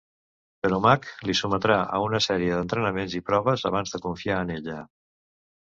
Però Mac li sotmetrà a una sèrie d'entrenaments i proves abans de confiar en ella.